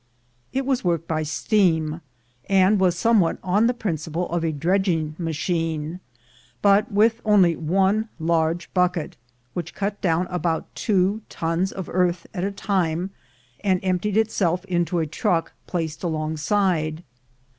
It was worked by steam, and was somewhat on the principle of a dredging machine, but with only one large bucket, which cut down about two tons of earth at a time and emptied itself into a truck placed alongside.